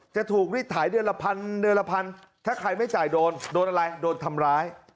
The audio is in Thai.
จะถูกรีดถ่ายเดือนละพันเดือนละพันถ้าใครไม่จ่ายโดนโดนอะไรโดนทำร้าย